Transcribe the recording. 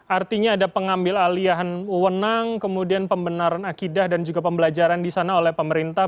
artinya ada pengambil alihan wenang kemudian pembenaran akidah dan juga pembelajaran di sana oleh pemerintah